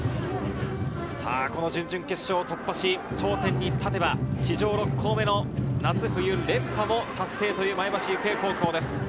この準々決勝を突破し、頂点に立てば、史上６校目の夏冬連覇の達成という前橋育英高校です。